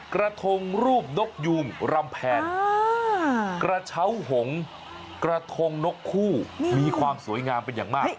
กระทงรูปนกยูงรำแพนกระเช้าหงกระทงนกคู่มีความสวยงามเป็นอย่างมาก